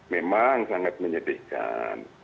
memang sangat menyedihkan